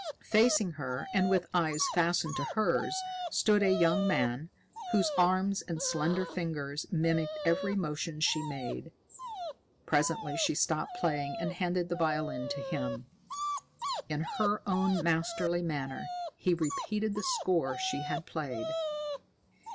Facing her, and with eyes fastened to hers, stood a young man, whose arms and slender fingers mimicked every motion she made. Presently she stopped playing and handed the violin to him. In her own masterly manner, he repeated the score she had played.